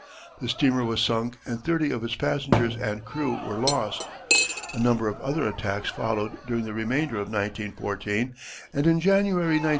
The steamer was sunk and thirty of its passengers and crew were lost. A number of other attacks followed during the remainder of 1914 and in January, 1915.